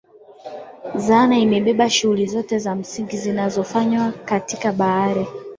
Dhana imebeba shughuli zote za msingi zinazofanywa katika bahari